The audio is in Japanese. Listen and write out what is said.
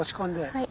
はい。